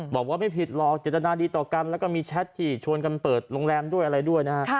บอกว่าไม่ผิดหรอกเจตนาดีต่อกันแล้วก็มีแชทที่ชวนกันเปิดโรงแรมด้วยอะไรด้วยนะฮะ